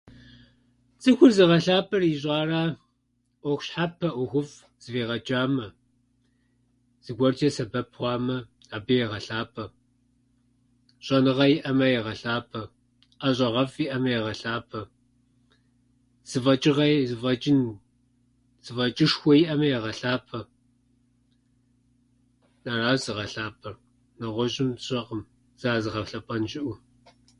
Цӏыхур зыгъэлъапӏэр ищӏара. ӏуэху щхьэпэ, ӏуэхуфӏ зэфӏигъэчӏамэ, зыгуэрчӏэ сэбэп хъуамэ, абы егъэлъапӏэ, щӏэныгъэ иӏэмэ егъэлъапӏэ, ӏэщӏагъэфӏ иӏэмэ, егъэлъапӏэ. Зыфӏэчӏыгъэ- Зыфӏэчӏын- Зыфӏэчӏышхуэ иӏэми егъэлъапӏэ. Ара зыгъэлъапӏэр. Нэгъуэщӏым сщӏэкъым сэ ар зыгъэлъэпӏэн щыӏэу.